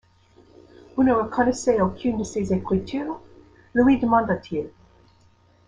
Vous ne reconnaissez aucune de ces écritures? lui demanda-t-il.